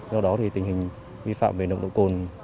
do đó thì tình hình vi phạm về nồng độ cồn